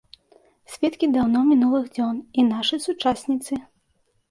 Сведкі даўно мінулых дзён і нашы сучасніцы.